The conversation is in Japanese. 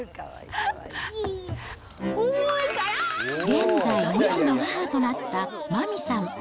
現在、２児の母となった麻美さん。